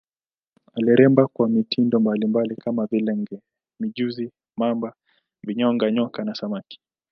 Aliremba kwa mitindo mbalimbali kama vile nge, mijusi, mamba, vinyonga, nyoka na samaki.